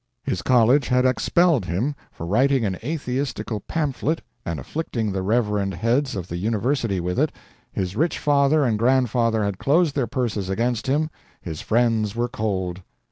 His college had expelled him for writing an atheistical pamphlet and afflicting the reverend heads of the university with it, his rich father and grandfather had closed their purses against him, his friends were cold.